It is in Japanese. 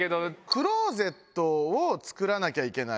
クローゼットを作らなきゃいけない。